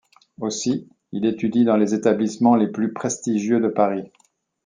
Aussi, il étudie dans les établissements les plus prestigieux de Paris.